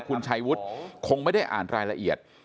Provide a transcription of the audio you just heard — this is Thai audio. คุณชัยวุฒิคงไม่ได้อ่านรายละเอียด